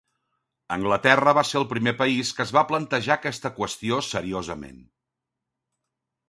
Anglaterra va ser el primer país que es va plantejar aquesta qüestió seriosament.